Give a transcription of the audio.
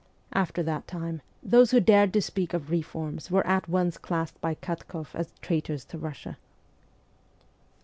After that time, those who dared to speak of reforms were at once classed by Katkoff as ' traitors to Russia.'